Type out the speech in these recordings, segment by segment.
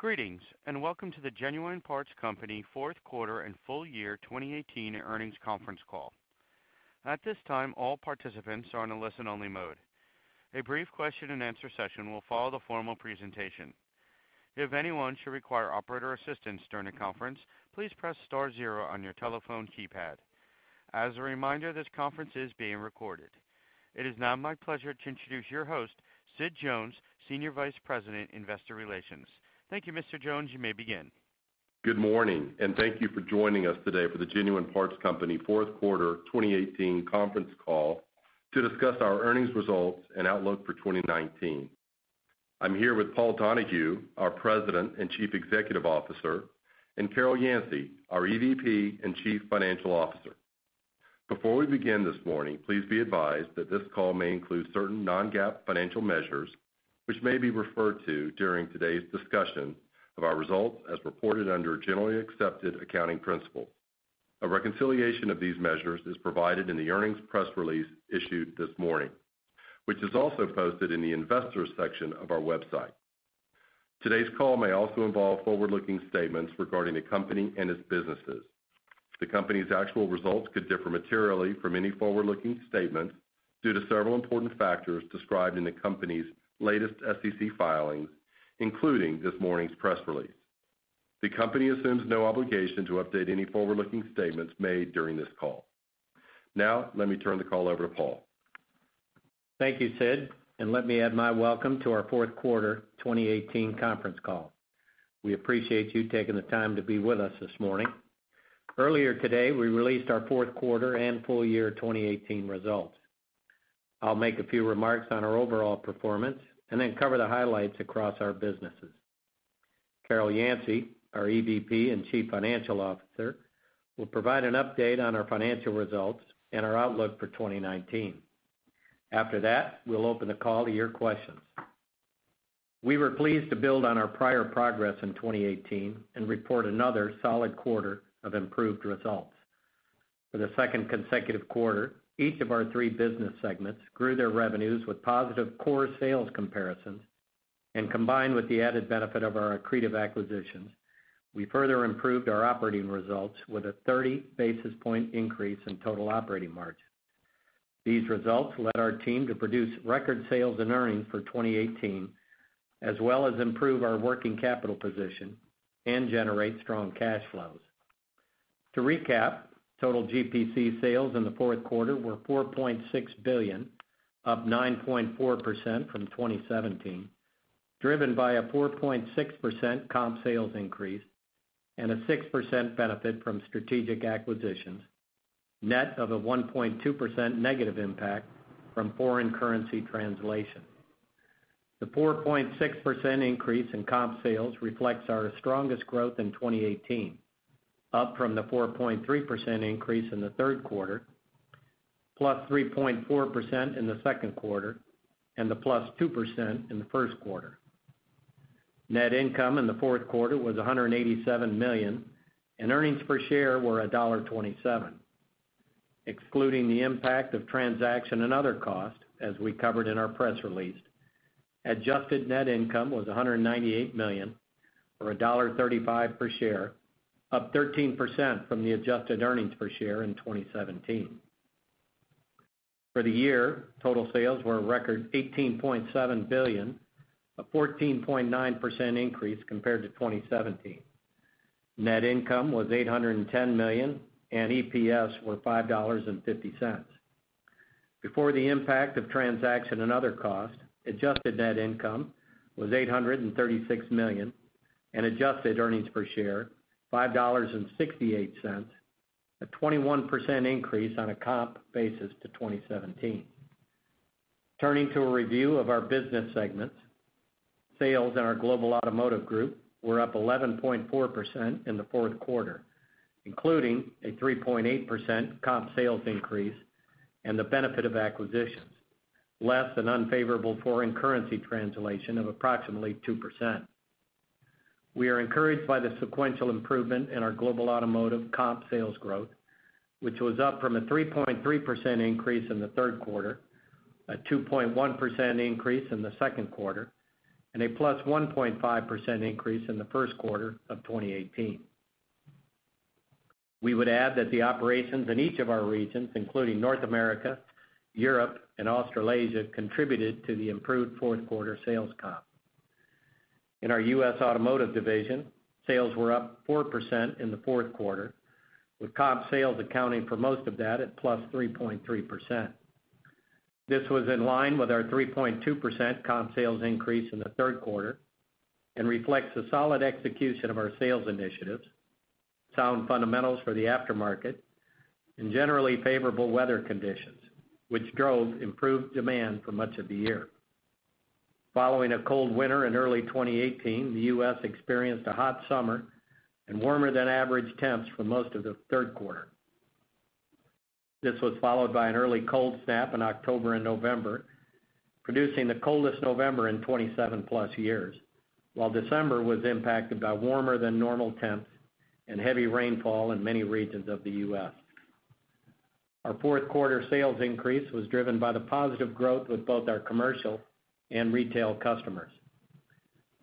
Greetings, welcome to the Genuine Parts Company fourth quarter and full year 2018 earnings conference call. At this time, all participants are in a listen-only mode. A brief question and answer session will follow the formal presentation. If anyone should require operator assistance during the conference, please press star zero on your telephone keypad. As a reminder, this conference is being recorded. It is now my pleasure to introduce your host, Sid Jones, Senior Vice President, Investor Relations. Thank you, Mr. Jones. You may begin. Good morning, thank you for joining us today for the Genuine Parts Company fourth quarter 2018 conference call to discuss our earnings results and outlook for 2019. I'm here with Paul Donahue, our President and Chief Executive Officer, and Carol Yancey, our EVP and Chief Financial Officer. Before we begin this morning, please be advised that this call may include certain non-GAAP financial measures, which may be referred to during today's discussion of our results as reported under generally accepted accounting principles. A reconciliation of these measures is provided in the earnings press release issued this morning, which is also posted in the investors section of our website. Today's call may also involve forward-looking statements regarding the company and its businesses. The company's actual results could differ materially from any forward-looking statements due to several important factors described in the company's latest SEC filings, including this morning's press release. The company assumes no obligation to update any forward-looking statements made during this call. Now, let me turn the call over to Paul. Thank you, Sid, let me add my welcome to our fourth quarter 2018 conference call. We appreciate you taking the time to be with us this morning. Earlier today, we released our fourth quarter and full year 2018 results. I'll make a few remarks on our overall performance and then cover the highlights across our businesses. Carol Yancey, our EVP and Chief Financial Officer, will provide an update on our financial results and our outlook for 2019. After that, we'll open the call to your questions. We were pleased to build on our prior progress in 2018 and report another solid quarter of improved results. For the second consecutive quarter, each of our three business segments grew their revenues with positive core sales comparisons and combined with the added benefit of our accretive acquisitions, we further improved our operating results with a 30 basis point increase in total operating margin. These results led our team to produce record sales and earnings for 2018, as well as improve our working capital position and generate strong cash flows. To recap, total GPC sales in the fourth quarter were $4.6 billion, up 9.4% from 2017, driven by a 4.6% comp sales increase and a 6% benefit from strategic acquisitions, net of a 1.2% negative impact from foreign currency translation. The 4.6% increase in comp sales reflects our strongest growth in 2018, up from the 4.3% increase in the third quarter, +3.4% in the second quarter, and the +2% in the first quarter. Net income in the fourth quarter was $187 million, and earnings per share were $1.27. Excluding the impact of transaction and other costs, as we covered in our press release, adjusted net income was $198 million, or $1.35 per share, up 13% from the adjusted earnings per share in 2017. For the year, total sales were a record $18.7 billion, a 14.9% increase compared to 2017. Net income was $810 million and EPS were $5.50. Before the impact of transaction and other costs, adjusted net income was $836 million and adjusted earnings per share $5.68, a 21% increase on a comp basis to 2017. Turning to a review of our business segments. Sales in our global Automotive Group were up 11.4% in the fourth quarter, including a 3.8% comp sales increase and the benefit of acquisitions, less an unfavorable foreign currency translation of approximately 2%. We are encouraged by the sequential improvement in our global Automotive comp sales growth, which was up from a 3.3% increase in the third quarter, a 2.1% increase in the second quarter, and a +1.5% increase in the first quarter of 2018. We would add that the operations in each of our regions, including North America, Europe, and Australasia, contributed to the improved fourth quarter sales comp. In our U.S. Automotive division, sales were up 4% in the fourth quarter, with comp sales accounting for most of that at +3.3%. This was in line with our 3.2% comp sales increase in the third quarter and reflects the solid execution of our sales initiatives, sound fundamentals for the aftermarket, and generally favorable weather conditions, which drove improved demand for much of the year. Following a cold winter in early 2018, the U.S. experienced a hot summer and warmer-than-average temps for most of the third quarter. This was followed by an early cold snap in October and November, producing the coldest November in 27+ years, while December was impacted by warmer-than-normal temps and heavy rainfall in many regions of the U.S. Our fourth quarter sales increase was driven by the positive growth with both our commercial and retail customers.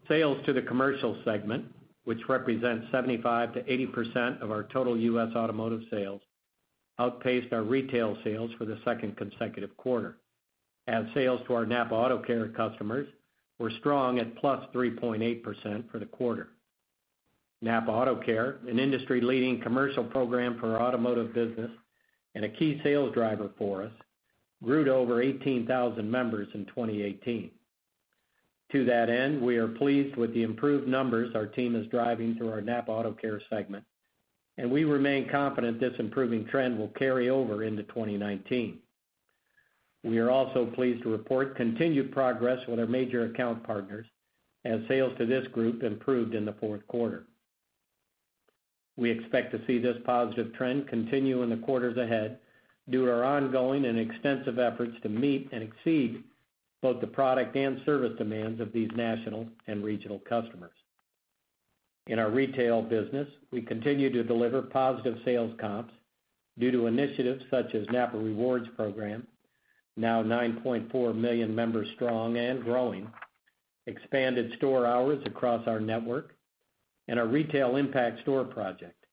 Sales to the commercial segment, which represents 75%-80% of our total U.S. Automotive sales, outpaced our retail sales for the second consecutive quarter, as sales to our NAPA AutoCare customers were strong at +3.8% for the quarter. NAPA AutoCare, an industry-leading commercial program for our Automotive business and a key sales driver for us, grew to over 18,000 members in 2018. To that end, we are pleased with the improved numbers our team is driving through our NAPA AutoCare segment, and we remain confident this improving trend will carry over into 2019. We are also pleased to report continued progress with our major account partners, as sales to this group improved in the fourth quarter. We expect to see this positive trend continue in the quarters ahead due to our ongoing and extensive efforts to meet and exceed both the product and service demands of these national and regional customers. In our retail business, we continue to deliver positive sales comps due to initiatives such as NAPA Rewards program, now 9.4 million members strong and growing, expanded store hours across our network, and our Retail Impact Store project.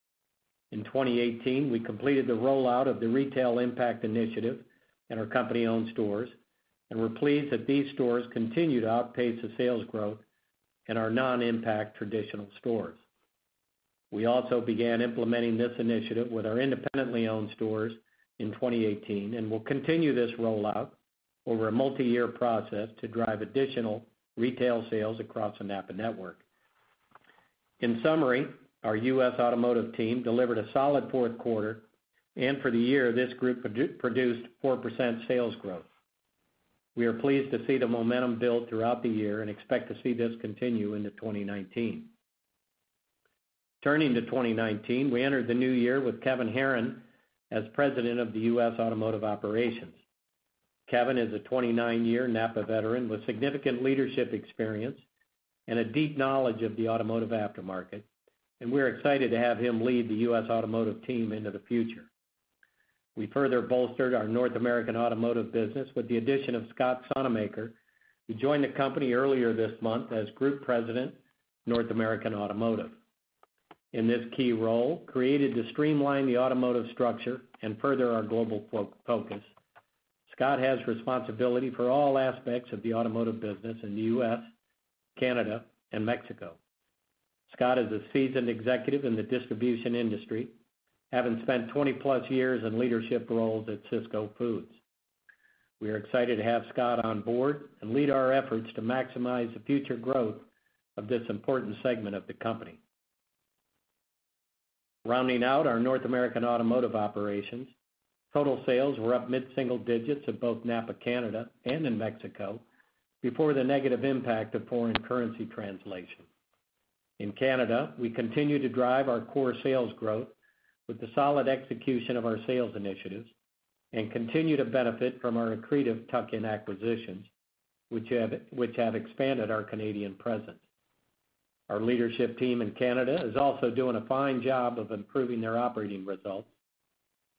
In 2018, we completed the rollout of the Retail Impact initiative in our company-owned stores and we're pleased that these stores continue to outpace the sales growth in our non-impact traditional stores. We also began implementing this initiative with our independently owned stores in 2018 and will continue this rollout over a multi-year process to drive additional retail sales across the NAPA network. In summary, our U.S. Automotive team delivered a solid fourth quarter, and for the year, this group produced 4% sales growth. We are pleased to see the momentum build throughout the year and expect to see this continue into 2019. Turning to 2019, we entered the new year with Kevin Herron as president of the U.S. Automotive operations. Kevin is a 29-year NAPA veteran with significant leadership experience and a deep knowledge of the automotive aftermarket, and we're excited to have him lead the U.S. Automotive team into the future. We further bolstered our North American Automotive business with the addition of Scott Sonnemaker, who joined the company earlier this month as Group President, North American Automotive. In this key role, created to streamline the automotive structure and further our global focus, Scott has responsibility for all aspects of the automotive business in the U.S., Canada, and Mexico. Scott is a seasoned executive in the distribution industry, having spent 20-plus years in leadership roles at Sysco. We are excited to have Scott on board and lead our efforts to maximize the future growth of this important segment of the company. Rounding out our North American Automotive operations, total sales were up mid-single digits in both NAPA Canada and in NAPA Mexico before the negative impact of foreign currency translation. In Canada, we continue to drive our core sales growth with the solid execution of our sales initiatives and continue to benefit from our accretive tuck-in acquisitions, which have expanded our Canadian presence. Our leadership team in Canada is also doing a fine job of improving their operating results,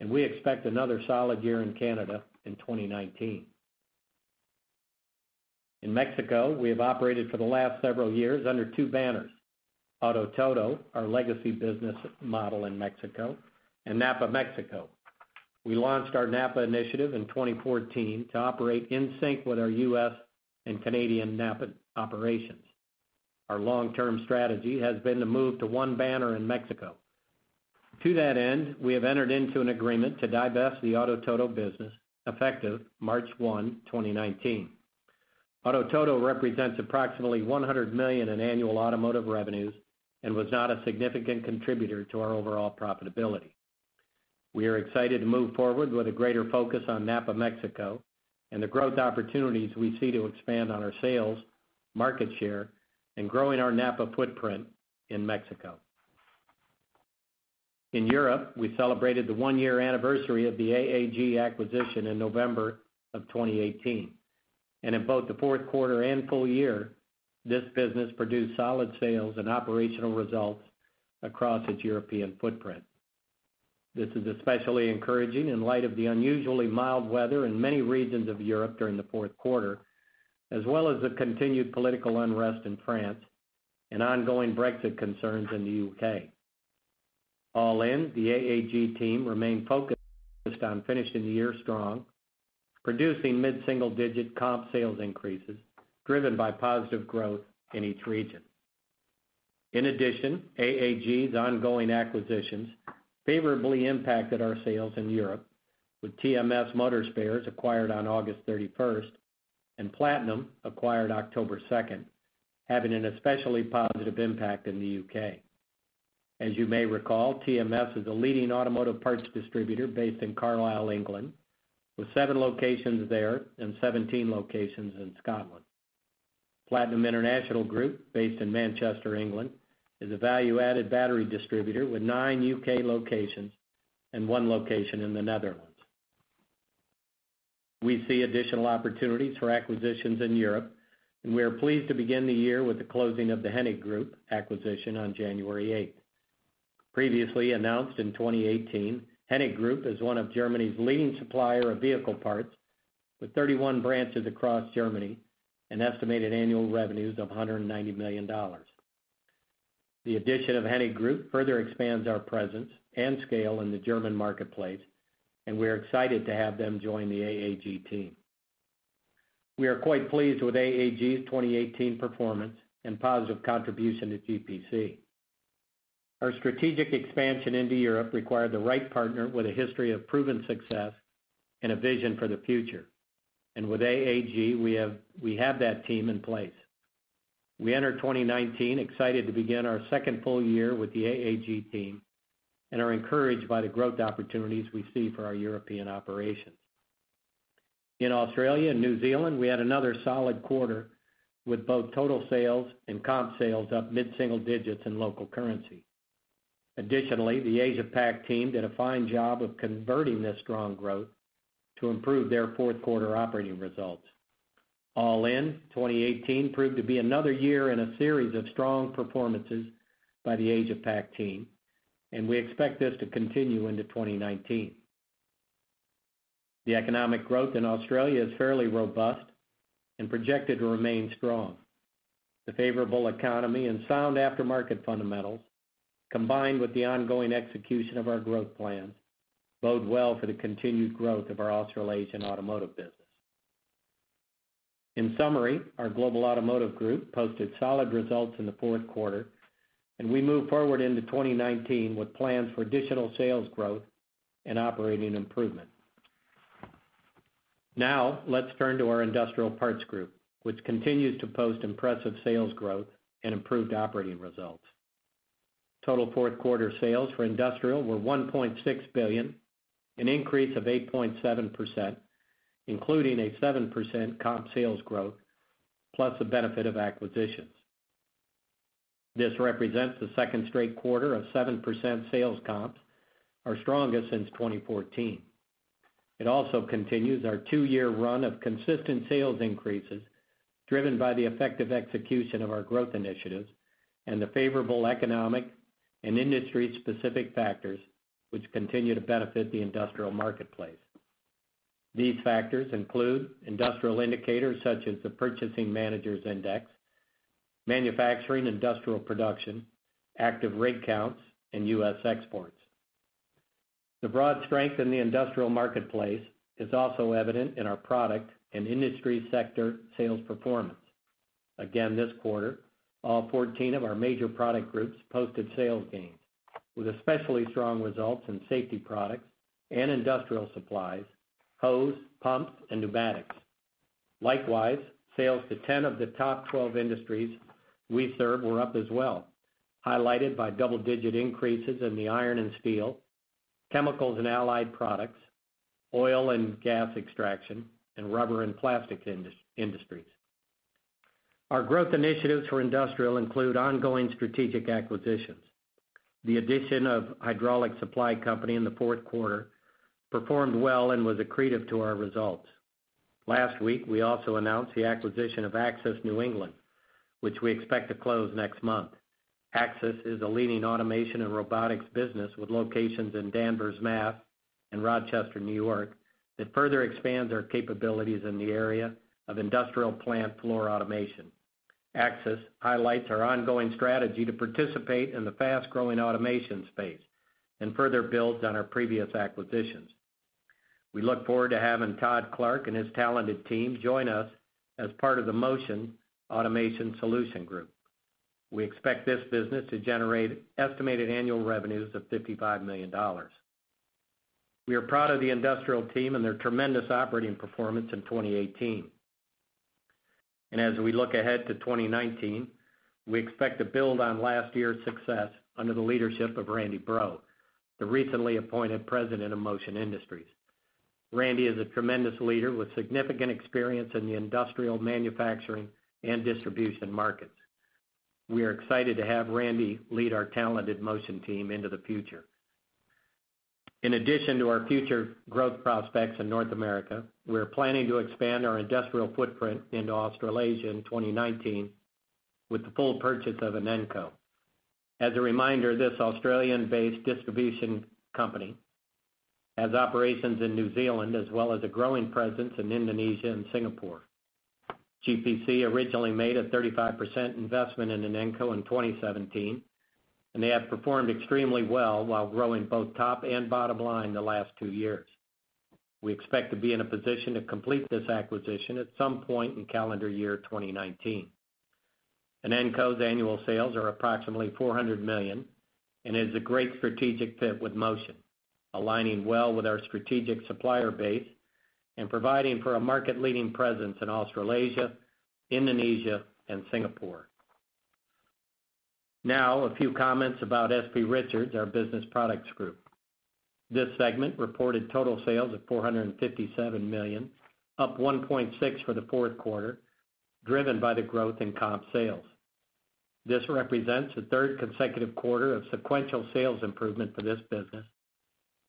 and we expect another solid year in Canada in 2019. In Mexico, we have operated for the last several years under two banners: Auto Todo, our legacy business model in Mexico, and NAPA Mexico. We launched our NAPA initiative in 2014 to operate in sync with our U.S. and Canadian NAPA operations. Our long-term strategy has been to move to one banner in Mexico. To that end, we have entered into an agreement to divest the Auto Todo business, effective March 1, 2019. Auto Todo represents approximately $100 million in annual automotive revenues and was not a significant contributor to our overall profitability. We are excited to move forward with a greater focus on NAPA Mexico and the growth opportunities we see to expand on our sales, market share, and growing our NAPA footprint in Mexico. In Europe, we celebrated the 1-year anniversary of the AAG acquisition in November 2018. In both the fourth quarter and full year, this business produced solid sales and operational results across its European footprint. This is especially encouraging in light of the unusually mild weather in many regions of Europe during the fourth quarter, as well as the continued political unrest in France and ongoing Brexit concerns in the U.K. All in, the AAG team remained focused on finishing the year strong, producing mid-single-digit comp sales increases driven by positive growth in each region. In addition, AAG's ongoing acquisitions favorably impacted our sales in Europe with TMS Motor Spares, acquired on August 31st, and Platinum, acquired October 2nd, having an especially positive impact in the U.K. As you may recall, TMS is a leading automotive parts distributor based in Carlisle, England, with seven locations there and 17 locations in Scotland. Platinum International Group, based in Manchester, England, is a value-added battery distributor with nine U.K. locations and one location in the Netherlands. We see additional opportunities for acquisitions in Europe, and we are pleased to begin the year with the closing of the Hennig Group acquisition on January 8th. Previously announced in 2018, Hennig Group is one of Germany's leading supplier of vehicle parts with 31 branches across Germany and estimated annual revenues of $190 million. The addition of Hennig Group further expands our presence and scale in the German marketplace, and we are excited to have them join the AAG team. We are quite pleased with AAG's 2018 performance and positive contribution to GPC. Our strategic expansion into Europe required the right partner with a history of proven success and a vision for the future. With AAG, we have that team in place. We enter 2019 excited to begin our second full year with the AAG team. We are encouraged by the growth opportunities we see for our European operations. In Australia and New Zealand, we had another solid quarter with both total sales and comp sales up mid-single digits in local currency. Additionally, the Asia Pac team did a fine job of converting this strong growth to improve their fourth quarter operating results. All in, 2018 proved to be another year in a series of strong performances by the Asia Pac team, and we expect this to continue into 2019. The economic growth in Australia is fairly robust and projected to remain strong. The favorable economy and sound aftermarket fundamentals, combined with the ongoing execution of our growth plans, bode well for the continued growth of our Australasian automotive business. In summary, our Global Automotive Group posted solid results in the fourth quarter. We move forward into 2019 with plans for additional sales growth and operating improvement. Now, let's turn to our Industrial Parts Group, which continues to post impressive sales growth and improved operating results. Total fourth quarter sales for industrial were $1.6 billion, an increase of 8.7%, including a 7% comp sales growth, plus the benefit of acquisitions. This represents the second straight quarter of 7% sales comps, our strongest since 2014. It also continues our two-year run of consistent sales increases driven by the effective execution of our growth initiatives and the favorable economic and industry-specific factors which continue to benefit the industrial marketplace. These factors include industrial indicators such as the Purchasing Managers' Index, manufacturing industrial production, active rig counts, and U.S. exports. The broad strength in the industrial marketplace is also evident in our product and industry sector sales performance. Again this quarter, all 14 of our major product groups posted sales gains with especially strong results in safety products and industrial supplies, hose, pumps, and pneumatics. Likewise, sales to 10 of the top 12 industries we serve were up as well, highlighted by double-digit increases in the iron and steel, chemicals and allied products, oil and gas extraction, and rubber and plastic industries. Our growth initiatives for industrial include ongoing strategic acquisitions. The addition of Hydraulic Supply Company in the fourth quarter performed well and was accretive to our results. Last week, we also announced the acquisition of Axis New England, which we expect to close next month. Axis is a leading automation and robotics business with locations in Danvers, Mass., and Rochester, New York, that further expands our capabilities in the area of industrial plant floor automation. Axis highlights our ongoing strategy to participate in the fast-growing automation space and further builds on our previous acquisitions. We look forward to having Todd Clark and his talented team join us as part of the Motion Automation Solutions Group. We expect this business to generate estimated annual revenues of $55 million. We are proud of the industrial team and their tremendous operating performance in 2018. As we look ahead to 2019, we expect to build on last year's success under the leadership of Randy Breaux, the recently appointed president of Motion Industries. Randy is a tremendous leader with significant experience in the industrial manufacturing and distribution markets. We are excited to have Randy lead our talented Motion team into the future. In addition to our future growth prospects in North America, we're planning to expand our industrial footprint into Australasia in 2019 with the full purchase of Inenco. As a reminder, this Australian-based distribution company has operations in New Zealand, as well as a growing presence in Indonesia and Singapore. GPC originally made a 35% investment in Inenco in 2017. They have performed extremely well while growing both top and bottom line the last two years. We expect to be in a position to complete this acquisition at some point in calendar year 2019. Inenco's annual sales are approximately $400 million and is a great strategic fit with Motion, aligning well with our strategic supplier base and providing for a market-leading presence in Australasia, Indonesia, and Singapore. A few comments about S.P. Richards, our Business Products Group. This segment reported total sales of $457 million, up 1.6% for the fourth quarter, driven by the growth in comp sales. This represents the third consecutive quarter of sequential sales improvement for this business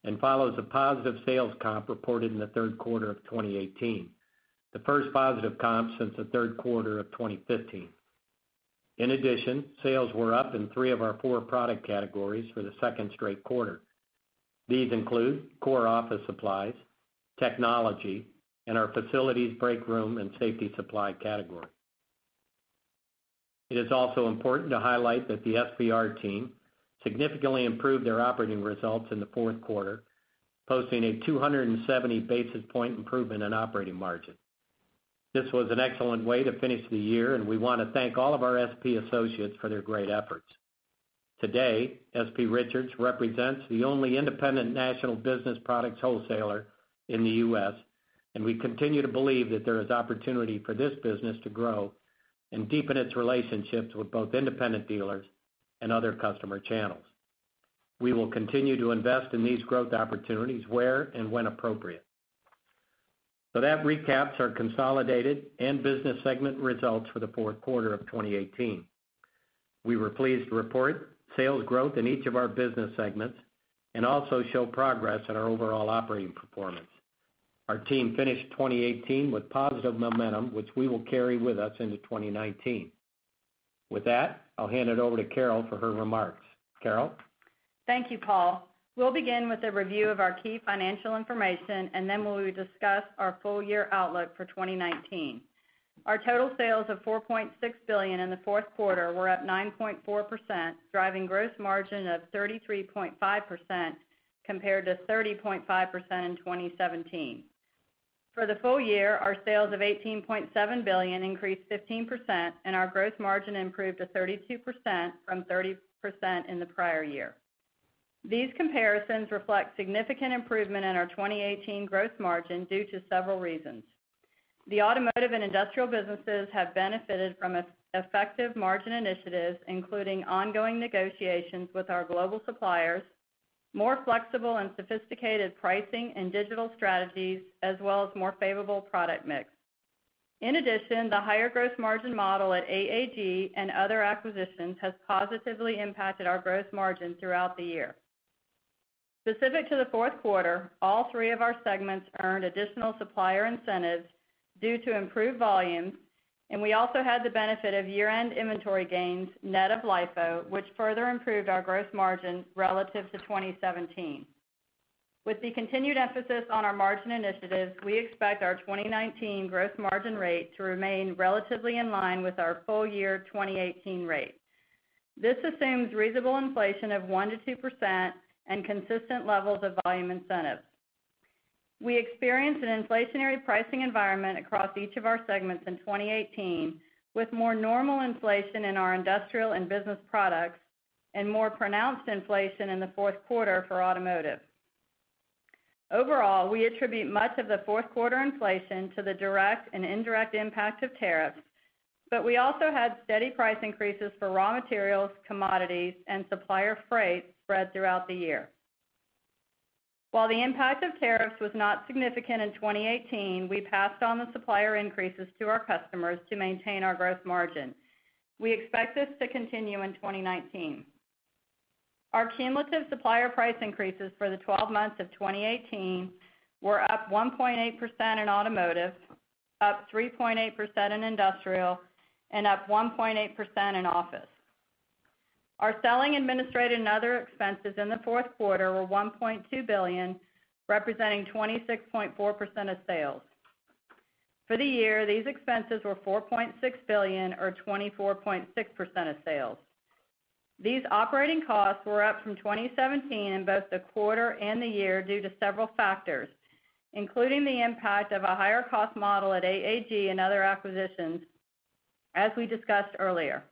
and follows a positive sales comp reported in the third quarter of 2018, the first positive comp since the third quarter of 2015. In addition, sales were up in three of our four product categories for the second straight quarter. These include core office supplies, technology, and our facilities break room and safety supply category. It is also important to highlight that the S.P. Richards team significantly improved their operating results in the fourth quarter, posting a 270 basis point improvement in operating margin. This was an excellent way to finish the year, and we want to thank all of our S.P. associates for their great efforts. Today, S.P. Richards Richards represents the only independent national business products wholesaler in the U.S., we continue to believe that there is opportunity for this business to grow and deepen its relationships with both independent dealers and other customer channels. We will continue to invest in these growth opportunities where and when appropriate. That recaps our consolidated and business segment results for the fourth quarter of 2018. We were pleased to report sales growth in each of our business segments and also show progress in our overall operating performance. Our team finished 2018 with positive momentum, which we will carry with us into 2019. With that, I'll hand it over to Carol for her remarks. Carol? Thank you, Paul. We'll begin with a review of our key financial information, then we will discuss our full year outlook for 2019. Our total sales of $4.6 billion in the fourth quarter were up 9.4%, driving gross margin of 33.5% compared to 30.5% in 2017. For the full year, our sales of $18.7 billion increased 15%, and our gross margin improved to 32% from 30% in the prior year. These comparisons reflect significant improvement in our 2018 gross margin due to several reasons. The automotive and industrial businesses have benefited from effective margin initiatives, including ongoing negotiations with our global suppliers, more flexible and sophisticated pricing and digital strategies, as well as more favorable product mix. In addition, the higher gross margin model at AAG and other acquisitions has positively impacted our gross margin throughout the year. Specific to the fourth quarter, all three of our segments earned additional supplier incentives due to improved volumes, and we also had the benefit of year-end inventory gains, net of LIFO, which further improved our gross margin relative to 2017. With the continued emphasis on our margin initiatives, we expect our 2019 gross margin rate to remain relatively in line with our full year 2018 rate. This assumes reasonable inflation of 1%-2% and consistent levels of volume incentives. We experienced an inflationary pricing environment across each of our segments in 2018, with more normal inflation in our industrial and business products and more pronounced inflation in the fourth quarter for automotive. Overall, we attribute much of the fourth quarter inflation to the direct and indirect impact of tariffs, we also had steady price increases for raw materials, commodities, and supplier freight spread throughout the year. The impact of tariffs was not significant in 2018, we passed on the supplier increases to our customers to maintain our gross margin. We expect this to continue in 2019. Our cumulative supplier price increases for the 12 months of 2018 were up 1.8% in automotive, up 3.8% in industrial, and up 1.8% in office. Our selling, administrative, and other expenses in the fourth quarter were $1.2 billion, representing 26.4% of sales. For the year, these expenses were $4.6 billion or 24.6% of sales. These operating costs were up from 2017 in both the quarter and the year due to several factors, including the impact of a higher cost model at AAG and other acquisitions as we discussed earlier.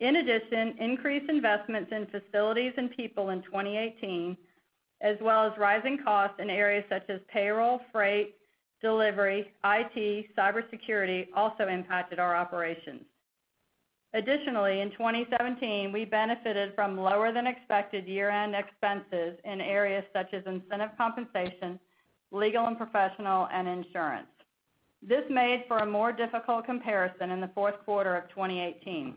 Increased investments in facilities and people in 2018, as well as rising costs in areas such as payroll, freight, delivery, IT, cybersecurity, also impacted our operations. In 2017, we benefited from lower than expected year-end expenses in areas such as incentive compensation, legal and professional, and insurance. This made for a more difficult comparison in the fourth quarter of 2018.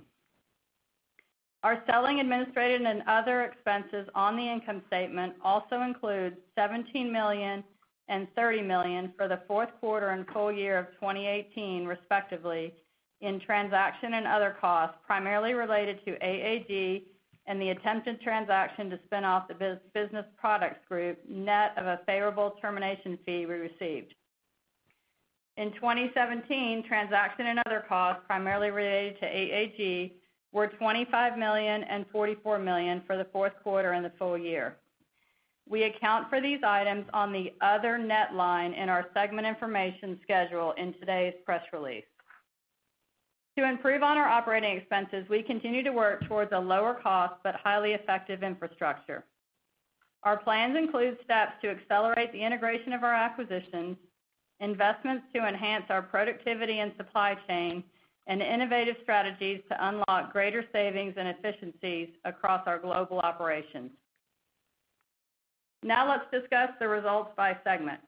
Our selling, administrative, and other expenses on the income statement also include $17 million and $30 million for the fourth quarter and full year of 2018, respectively, in transaction and other costs, primarily related to AAG and the attempted transaction to spin off the Business Products Group, net of a favorable termination fee we received. In 2017, transaction and other costs, primarily related to AAG, were $25 million and $44 million for the fourth quarter and the full year. We account for these items on the other net line in our segment information schedule in today's press release. To improve on our operating expenses, we continue to work towards a lower cost but highly effective infrastructure. Our plans include steps to accelerate the integration of our acquisitions, investments to enhance our productivity and supply chain, and innovative strategies to unlock greater savings and efficiencies across our global operations. Let's discuss the results by segment.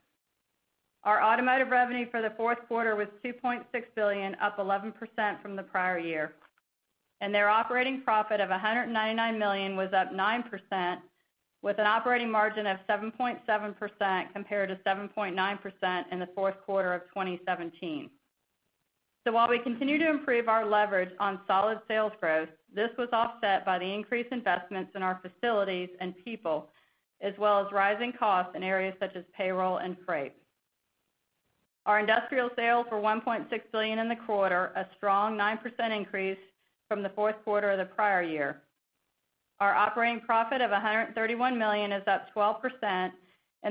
Our automotive revenue for the fourth quarter was $2.6 billion, up 11% from the prior year. Their operating profit of $199 million was up 9%, with an operating margin of 7.7%, compared to 7.9% in the fourth quarter of 2017. While we continue to improve our leverage on solid sales growth, this was offset by the increased investments in our facilities and people, as well as rising costs in areas such as payroll and freight. Our industrial sales were $1.6 billion in the quarter, a strong 9% increase from the fourth quarter of the prior year. Our operating profit of $131 million is up 12%,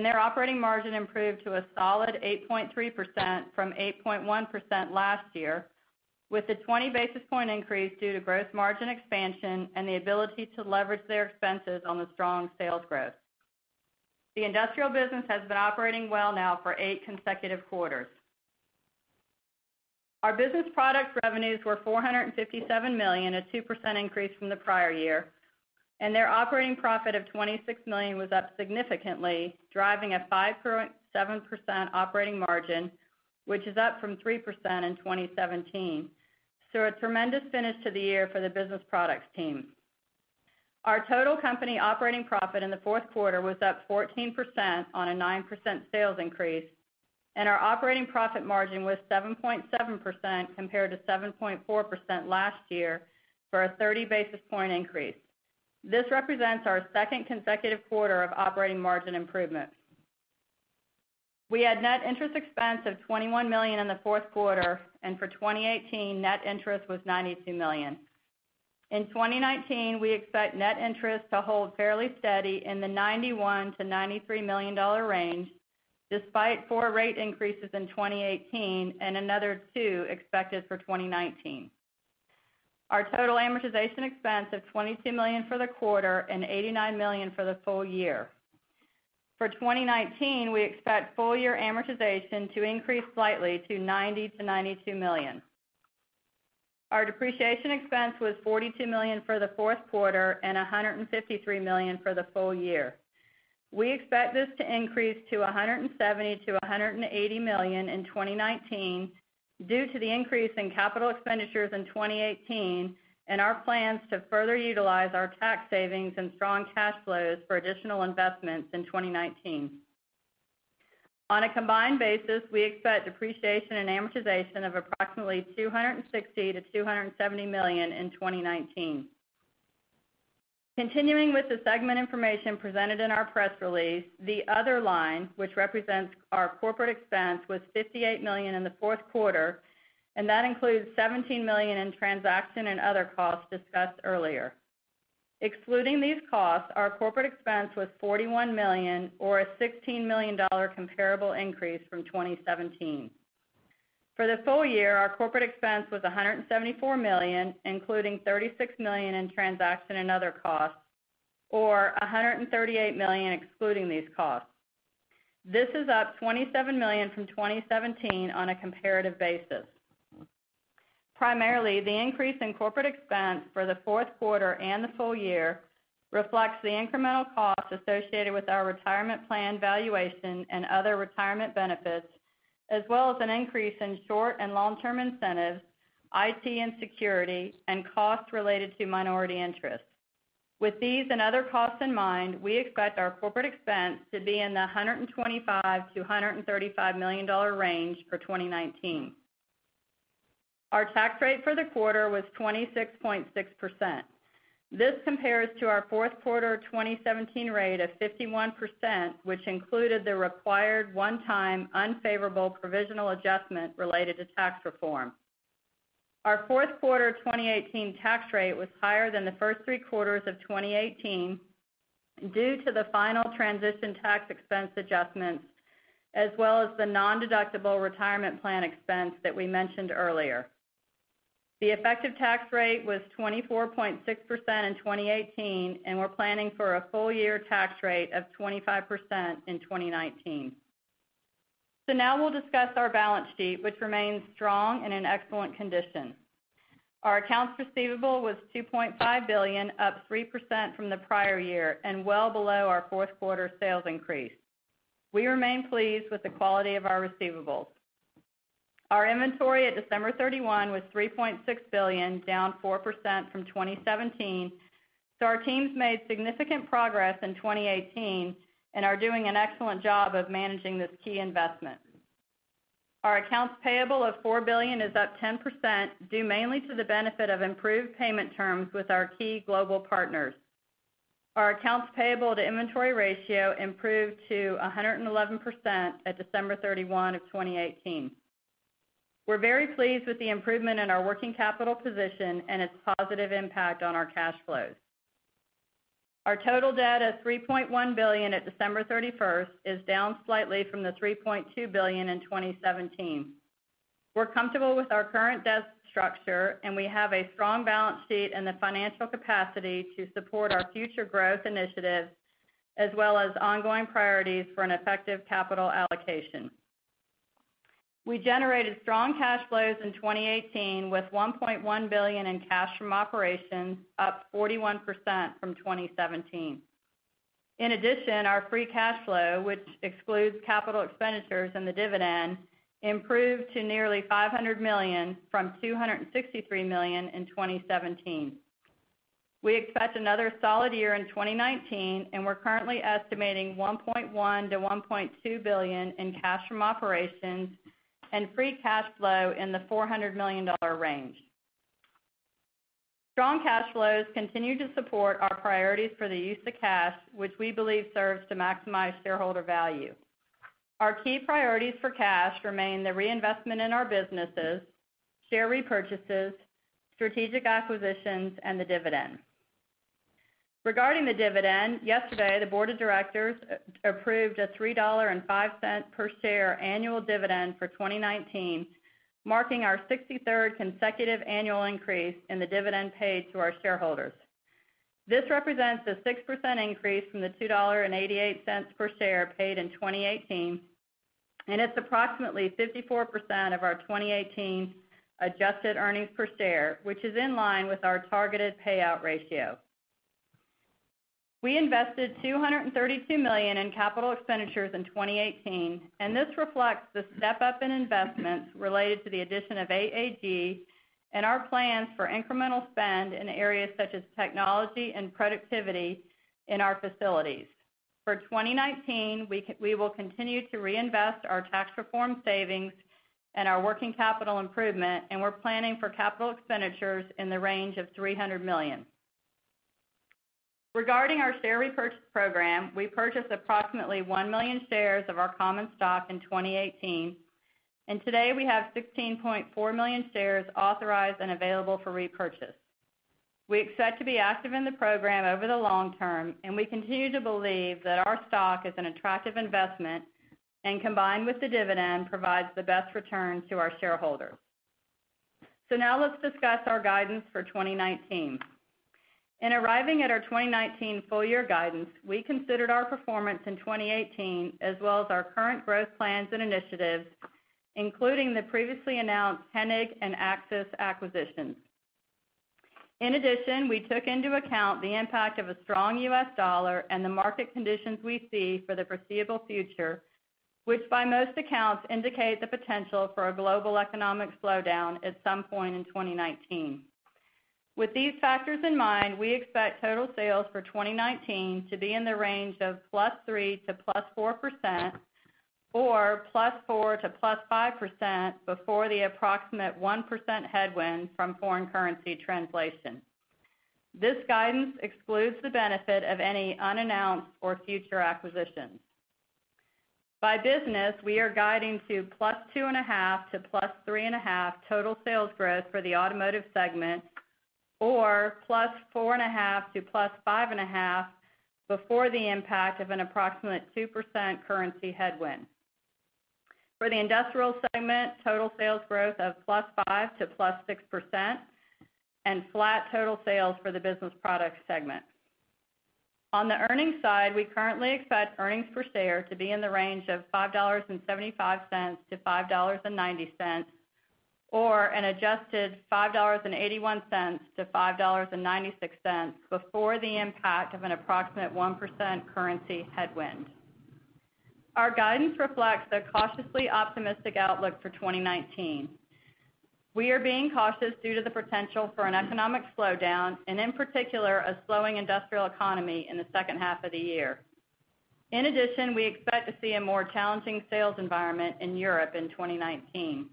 their operating margin improved to a solid 8.3% from 8.1% last year, with a 20 basis point increase due to gross margin expansion and the ability to leverage their expenses on the strong sales growth. The industrial business has been operating well now for eight consecutive quarters. Our business products revenues were $457 million, a 2% increase from the prior year. Their operating profit of $26 million was up significantly, driving a 5.7% operating margin, which is up from 3% in 2017. A tremendous finish to the year for the business products team. Our total company operating profit in the fourth quarter was up 14% on a 9% sales increase. Our operating profit margin was 7.7%, compared to 7.4% last year for a 30 basis point increase. This represents our second consecutive quarter of operating margin improvement. We had net interest expense of $21 million in the fourth quarter, and for 2018, net interest was $92 million. In 2019, we expect net interest to hold fairly steady in the $91 million-$93 million range, despite four rate increases in 2018 and another two expected for 2019. Our total amortization expense of $22 million for the quarter and $89 million for the full year. For 2019, we expect full-year amortization to increase slightly to $90 million-$92 million. Our depreciation expense was $42 million for the fourth quarter and $153 million for the full year. We expect this to increase to $170 million-$180 million in 2019 due to the increase in capital expenditures in 2018 and our plans to further utilize our tax savings and strong cash flows for additional investments in 2019. On a combined basis, we expect depreciation and amortization of approximately $260 million-$270 million in 2019. Continuing with the segment information presented in our press release, the other line, which represents our corporate expense, was $58 million in the fourth quarter. That includes $17 million in transaction and other costs discussed earlier. Excluding these costs, our corporate expense was $41 million, or a $16 million comparable increase from 2017. For the full year, our corporate expense was $174 million, including $36 million in transaction and other costs, or $138 million excluding these costs. This is up $27 million from 2017 on a comparative basis. Primarily, the increase in corporate expense for the fourth quarter and the full year reflects the incremental costs associated with our retirement plan valuation and other retirement benefits, as well as an increase in short and long-term incentives, IT and security, and costs related to minority interests. With these and other costs in mind, we expect our corporate expense to be in the $125 million-$135 million range for 2019. Our tax rate for the quarter was 26.6%. This compares to our fourth quarter 2017 rate of 51%, which included the required one-time unfavorable provisional adjustment related to tax reform. Our fourth quarter 2018 tax rate was higher than the first three quarters of 2018 due to the final transition tax expense adjustments, as well as the nondeductible retirement plan expense that we mentioned earlier. The effective tax rate was 24.6% in 2018. We're planning for a full-year tax rate of 25% in 2019. Now we'll discuss our balance sheet, which remains strong and in excellent condition. Our accounts receivable was $2.5 billion, up 3% from the prior year and well below our fourth quarter sales increase. We remain pleased with the quality of our receivables. Our inventory at December 31 was $3.6 billion, down 4% from 2017. Our teams made significant progress in 2018 and are doing an excellent job of managing this key investment. Our accounts payable of $4 billion is up 10%, due mainly to the benefit of improved payment terms with our key global partners. Our accounts payable to inventory ratio improved to 111% at December 31 of 2018. We're very pleased with the improvement in our working capital position and its positive impact on our cash flows. Our total debt of $3.1 billion at December 31st is down slightly from the $3.2 billion in 2017. We're comfortable with our current debt structure. We have a strong balance sheet and the financial capacity to support our future growth initiatives, as well as ongoing priorities for an effective capital allocation. We generated strong cash flows in 2018 with $1.1 billion in cash from operations, up 41% from 2017. In addition, our free cash flow, which excludes capital expenditures and the dividend, improved to nearly $500 million from $263 million in 2017. We expect another solid year in 2019. We're currently estimating $1.1 billion-$1.2 billion in cash from operations and free cash flow in the $400 million range. Strong cash flows continue to support our priorities for the use of cash, which we believe serves to maximize shareholder value. Our key priorities for cash remain the reinvestment in our businesses, share repurchases, strategic acquisitions, and the dividend. Regarding the dividend, yesterday, the board of directors approved a $3.05 per share annual dividend for 2019, marking our 63rd consecutive annual increase in the dividend paid to our shareholders. This represents a 6% increase from the $2.88 per share paid in 2018. It's approximately 54% of our 2018 adjusted earnings per share, which is in line with our targeted payout ratio. We invested $232 million in capital expenditures in 2018. This reflects the step-up in investments related to the addition of AAG and our plans for incremental spend in areas such as technology and productivity in our facilities. For 2019, we will continue to reinvest our tax reform savings and our working capital improvement. We're planning for capital expenditures in the range of $300 million. Regarding our share repurchase program, we purchased approximately 1 million shares of our common stock in 2018. Today we have 16.4 million shares authorized and available for repurchase. We expect to be active in the program over the long term. We continue to believe that our stock is an attractive investment, and combined with the dividend, provides the best return to our shareholders. Now let's discuss our guidance for 2019. In arriving at our 2019 full-year guidance, we considered our performance in 2018 as well as our current growth plans and initiatives, including the previously announced Hennig and Axis acquisitions. In addition, we took into account the impact of a strong U.S. dollar and the market conditions we see for the foreseeable future, which by most accounts indicate the potential for a global economic slowdown at some point in 2019. With these factors in mind, we expect total sales for 2019 to be in the range of +3% to +4%, or +4% to +5% before the approximate 1% headwind from foreign currency translation. This guidance excludes the benefit of any unannounced or future acquisitions. By business, we are guiding to +2.5% to +3.5% total sales growth for the Automotive segment, or +4.5% to +5.5% before the impact of an approximate 2% currency headwind. For the Industrial segment, total sales growth of +5% to +6%, and flat total sales for the Business Products segment. On the earnings side, we currently expect earnings per share to be in the range of $5.75-$5.90, or an adjusted $5.81-$5.96 before the impact of an approximate 1% currency headwind. Our guidance reflects a cautiously optimistic outlook for 2019. We are being cautious due to the potential for an economic slowdown, and in particular, a slowing industrial economy in the second half of the year. In addition, we expect to see a more challenging sales environment in Europe in 2019.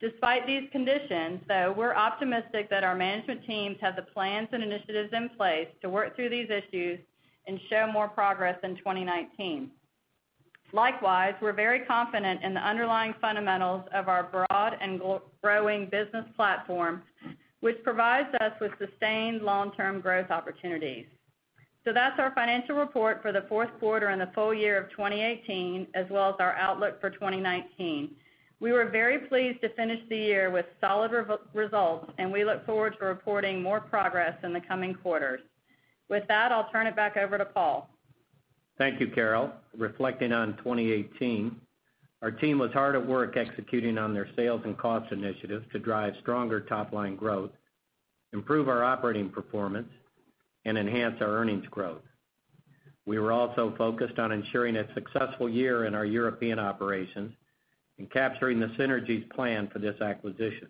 Despite these conditions, though, we're optimistic that our management teams have the plans and initiatives in place to work through these issues and show more progress in 2019. Likewise, we're very confident in the underlying fundamentals of our broad and growing business platform, which provides us with sustained long-term growth opportunities. That's our financial report for the fourth quarter and the full year of 2018, as well as our outlook for 2019. We were very pleased to finish the year with solid results, and we look forward to reporting more progress in the coming quarters. With that, I'll turn it back over to Paul. Thank you, Carol. Reflecting on 2018, our team was hard at work executing on their sales and cost initiatives to drive stronger top-line growth, improve our operating performance, and enhance our earnings growth. We were also focused on ensuring a successful year in our European operations and capturing the synergies planned for this acquisition.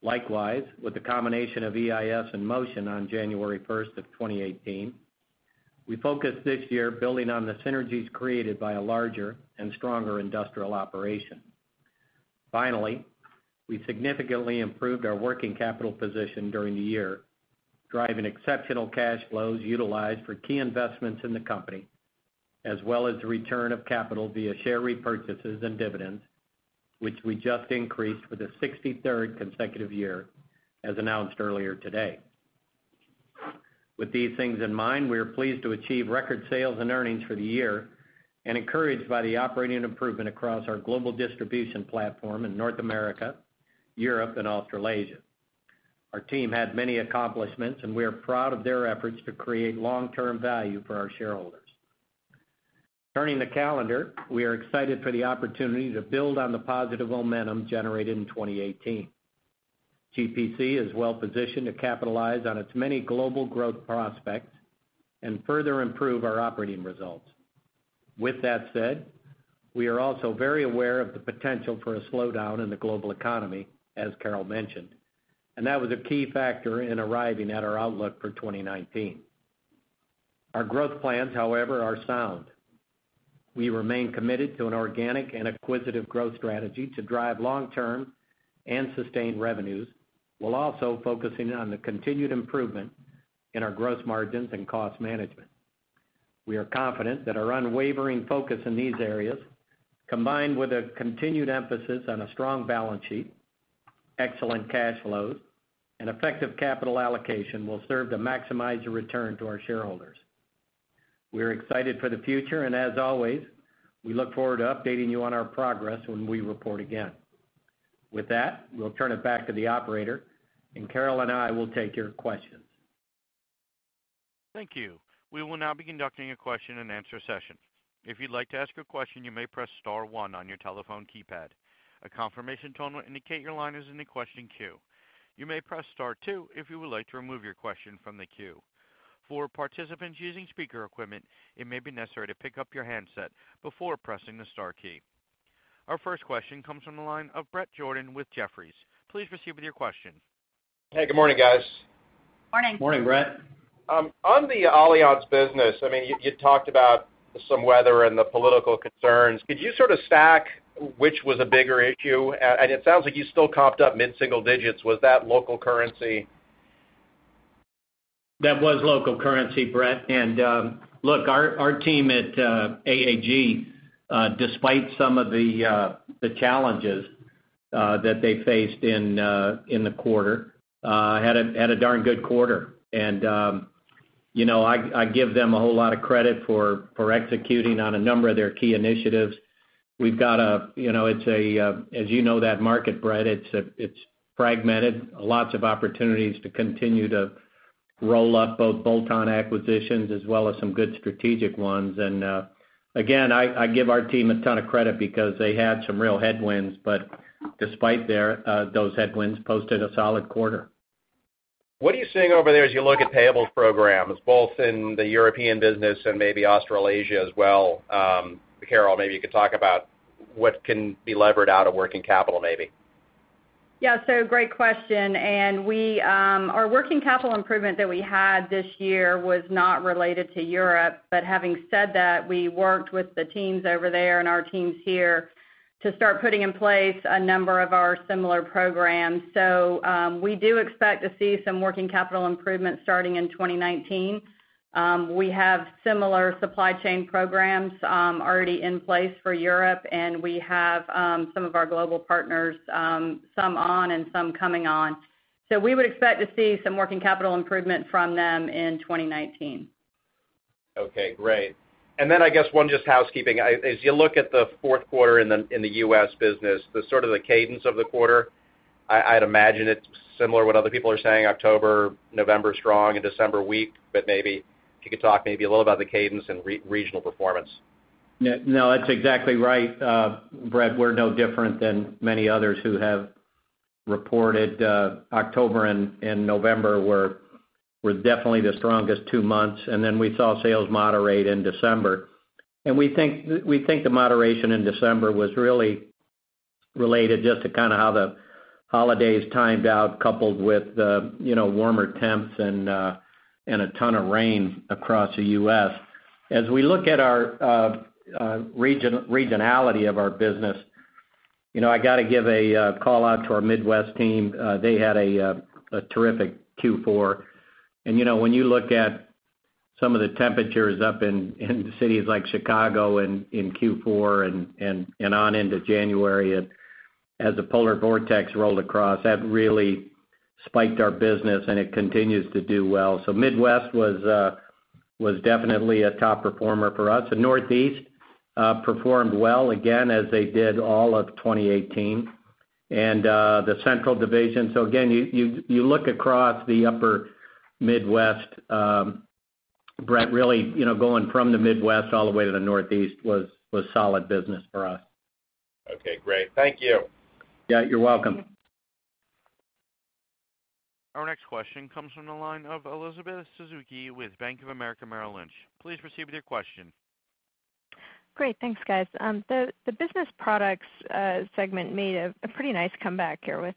Likewise, with the combination of EIS and Motion on January 1st of 2018, we focused this year building on the synergies created by a larger and stronger Industrial operation. Finally, we significantly improved our working capital position during the year, driving exceptional cash flows utilized for key investments in the company, as well as return of capital via share repurchases and dividends, which we just increased for the 63rd consecutive year, as announced earlier today. With these things in mind, we are pleased to achieve record sales and earnings for the year and encouraged by the operating improvement across our global distribution platform in North America, Europe, and Australasia. Our team had many accomplishments, and we are proud of their efforts to create long-term value for our shareholders. Turning the calendar, we are excited for the opportunity to build on the positive momentum generated in 2018. GPC is well-positioned to capitalize on its many global growth prospects and further improve our operating results. With that said, we are also very aware of the potential for a slowdown in the global economy, as Carol mentioned, and that was a key factor in arriving at our outlook for 2019. Our growth plans, however, are sound. We remain committed to an organic and acquisitive growth strategy to drive long-term and sustained revenues, while also focusing on the continued improvement in our gross margins and cost management. We are confident that our unwavering focus in these areas, combined with a continued emphasis on a strong balance sheet, excellent cash flow, and effective capital allocation, will serve to maximize the return to our shareholders. We are excited for the future, and as always, we look forward to updating you on our progress when we report again. With that, we'll turn it back to the operator, and Carol and I will take your questions. Thank you. We will now be conducting a question and answer session. If you'd like to ask a question, you may press star one on your telephone keypad. A confirmation tone will indicate your line is in the question queue. You may press star two if you would like to remove your question from the queue. For participants using speaker equipment, it may be necessary to pick up your handset before pressing the star key. Our first question comes from the line of Bret Jordan with Jefferies. Please proceed with your question. Hey, good morning, guys. Morning. Morning, Bret. On the Alliance business, you talked about some weather and the political concerns. Could you sort of stack which was a bigger issue? It sounds like you still comped up mid-single digits. Was that local currency? That was local currency, Bret. Look, our team at AAG, despite some of the challenges that they faced in the quarter, had a darn good quarter. I give them a whole lot of credit for executing on a number of their key initiatives. As you know, that market, Bret, it's fragmented. Lots of opportunities to continue to roll up both bolt-on acquisitions as well as some good strategic ones. Again, I give our team a ton of credit because they had some real headwinds, but despite those headwinds, posted a solid quarter. What are you seeing over there as you look at payables programs, both in the European business and maybe Australasia as well? Carol, maybe you could talk about what can be levered out of working capital, maybe. Yeah. Great question. Our working capital improvement that we had this year was not related to Europe. Having said that, we worked with the teams over there and our teams here to start putting in place a number of our similar programs. We do expect to see some working capital improvement starting in 2019. We have similar supply chain programs already in place for Europe, and we have some of our global partners, some on and some coming on. We would expect to see some working capital improvement from them in 2019. Okay, great. Then I guess one just housekeeping. As you look at the fourth quarter in the U.S. business, the sort of the cadence of the quarter, I'd imagine it's similar what other people are saying, October, November strong and December weak. Maybe if you could talk maybe a little about the cadence and regional performance. No, that's exactly right, Bret. We're no different than many others who have reported October and November were definitely the strongest two months. Then we saw sales moderate in December. We think the moderation in December was really related just to kind of how the holidays timed out, coupled with warmer temps and a ton of rain across the U.S. As we look at our regionality of our business, I got to give a call out to our Midwest team. They had a terrific Q4. When you look at some of the temperatures up in cities like Chicago in Q4 and on into January as the polar vortex rolled across, that really spiked our business, and it continues to do well. Midwest was definitely a top performer for us. Northeast performed well again as they did all of 2018. The Central Division. Again, you look across the upper Midwest, Bret, really going from the Midwest all the way to the Northeast was solid business for us. Okay, great. Thank you. Yeah, you're welcome. Our next question comes from the line of Elizabeth Suzuki with Bank of America Merrill Lynch. Please proceed with your question. Great. Thanks, guys. The business products segment made a pretty nice comeback here with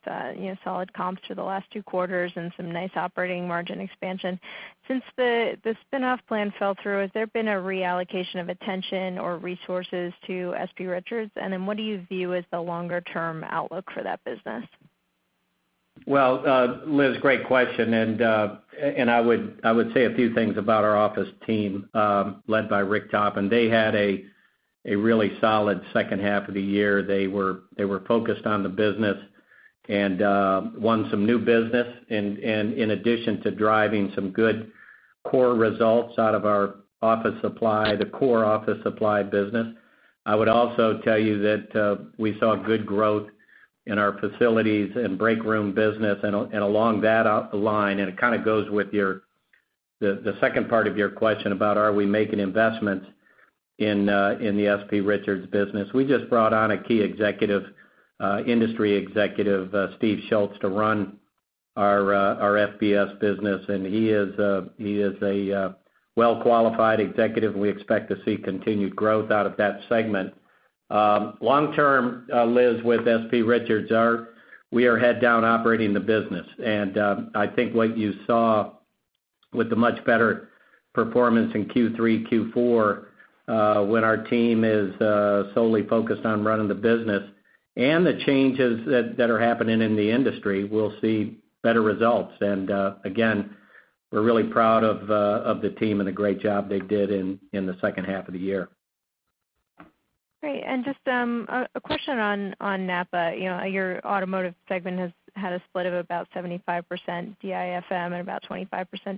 solid comps for the last two quarters and some nice operating margin expansion. Since the spinoff plan fell through, has there been a reallocation of attention or resources to S.P. Richards? Then what do you view as the longer-term outlook for that business? Well, Liz, great question, and I would say a few things about our office team, led by Rick Toppin. They had a really solid second half of the year. They were focused on the business and won some new business in addition to driving some good core results out of our office supply, the core office supply business. I would also tell you that we saw good growth in our facilities and break room business and along that line, and it kind of goes with the second part of your question about are we making investments in the S.P. Richards business. We just brought on a key executive, industry executive, Steve Schultz, to run our FBS business, and he is a well-qualified executive, and we expect to see continued growth out of that segment. Long term, Liz, with S.P. Richards, we are head down operating the business, and I think what you saw with the much better performance in Q3, Q4, when our team is solely focused on running the business and the changes that are happening in the industry, we'll see better results. Again, we're really proud of the team and the great job they did in the second half of the year. Great. Just a question on NAPA. Your automotive segment has had a split of about 75% DIFM and about 25%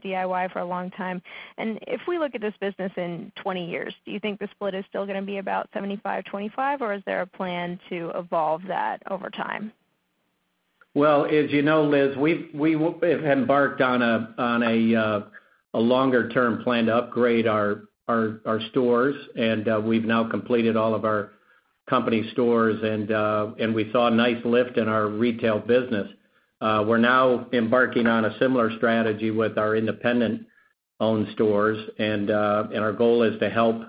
DIY for a long time. If we look at this business in 20 years, do you think the split is still going to be about 75/25, or is there a plan to evolve that over time? Well, as you know, Liz, we have embarked on a longer-term plan to upgrade our stores. We've now completed all of our company stores. We saw a nice lift in our retail business. We're now embarking on a similar strategy with our independent-owned stores. Our goal is to help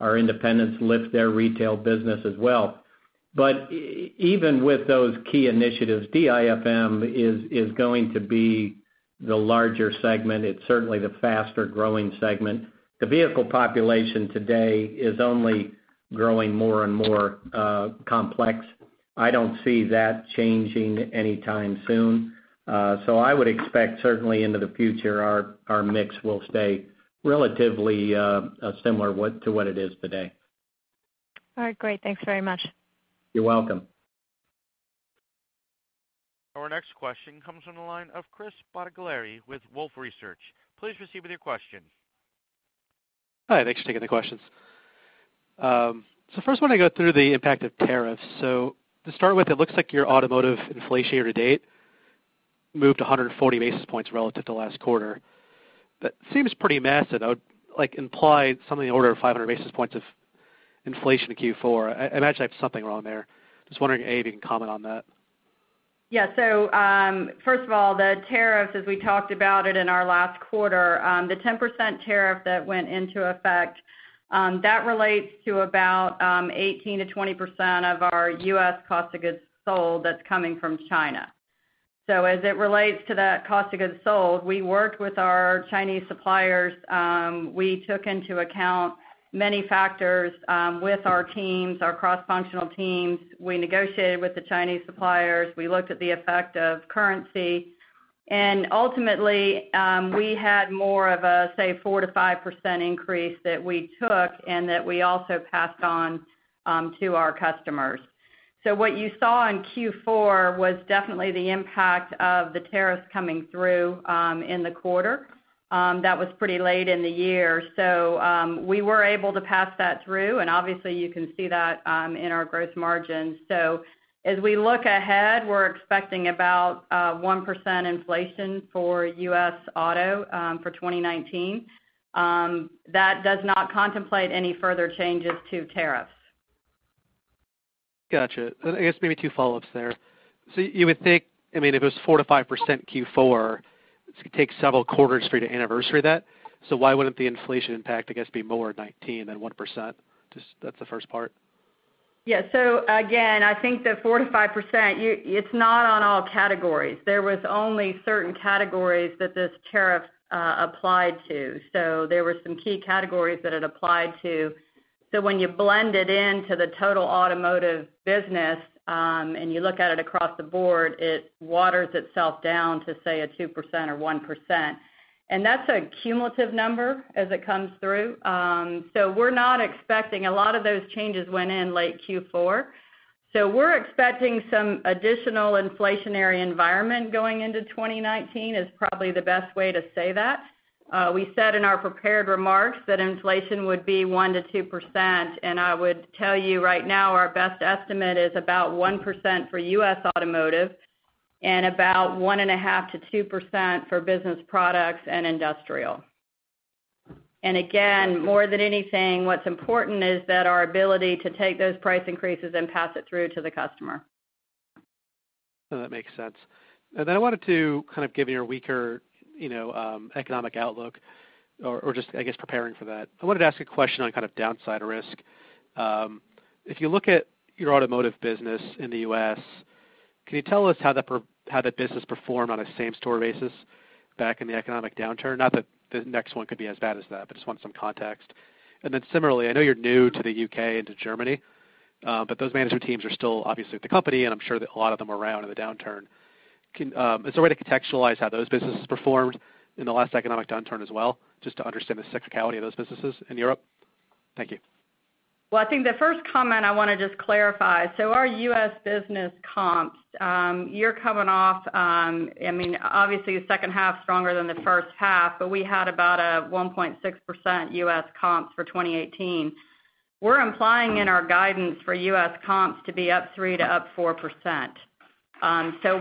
our independents lift their retail business as well. Even with those key initiatives, DIFM is going to be the larger segment. It's certainly the faster-growing segment. The vehicle population today is only growing more and more complex. I don't see that changing anytime soon. I would expect, certainly into the future, our mix will stay relatively similar to what it is today. All right, great. Thanks very much. You're welcome. Our next question comes from the line of Chris Bottiglieri with Wolfe Research. Please proceed with your question. Hi, thanks for taking the questions. First one, I go through the impact of tariffs. To start with, it looks like your automotive inflation year to date moved 140 basis points relative to last quarter. That seems pretty massive. That would imply something in the order of 500 basis points of inflation in Q4. I imagine I have something wrong there. Just wondering, A, if you can comment on that. Yeah. First of all, the tariffs, as we talked about it in our last quarter, the 10% tariff that went into effect, that relates to about 18%-20% of our U.S. cost of goods sold that is coming from China. As it relates to that cost of goods sold, we worked with our Chinese suppliers. We took into account many factors with our teams, our cross-functional teams. We negotiated with the Chinese suppliers. We looked at the effect of currency. And ultimately, we had more of a, say, 4%-5% increase that we took and that we also passed on to our customers. What you saw in Q4 was definitely the impact of the tariffs coming through in the quarter. That was pretty late in the year. We were able to pass that through, and obviously, you can see that in our gross margins. As we look ahead, we are expecting about 1% inflation for U.S. auto for 2019. That does not contemplate any further changes to tariffs. Got you. I guess maybe two follow-ups there. You would think, if it was 4%-5% Q4, it's going to take several quarters for you to anniversary that. Why wouldn't the inflation impact, I guess, be more in 2019 than 1%? That's the first part. Yeah. Again, I think the 4%-5%, it's not on all categories. There was only certain categories that this tariff applied to. There were some key categories that it applied to, when you blend it into the total automotive business and you look at it across the board, it waters itself down to, say, a 2% or 1%. That's a cumulative number as it comes through. A lot of those changes went in late Q4. We're expecting some additional inflationary environment going into 2019, is probably the best way to say that. We said in our prepared remarks that inflation would be 1%-2%, and I would tell you right now our best estimate is about 1% for U.S. automotive and about 1.5%-2% for business products and industrial. Again, more than anything, what's important is that our ability to take those price increases and pass it through to the customer. No, that makes sense. I wanted to, kind of given your weaker economic outlook or just, I guess, preparing for that, I wanted to ask a question on kind of downside risk. If you look at your automotive business in the U.S., can you tell us how that business performed on a same-store basis back in the economic downturn? Not that the next one could be as bad as that, but just want some context. Similarly, I know you're new to the U.K. and to Germany, but those management teams are still obviously with the company, and I'm sure that a lot of them were around in the downturn. Is there a way to contextualize how those businesses performed in the last economic downturn as well, just to understand the cyclicality of those businesses in Europe? Thank you. I think the first comment I want to just clarify, our U.S. business comps, you're coming off, obviously, the second half stronger than the first half, but we had about a 1.6% U.S. comps for 2018. We're implying in our guidance for U.S. comps to be up 3% to up 4%.